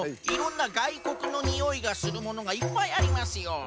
いろんながいこくのニオイがするものがいっぱいありますよ。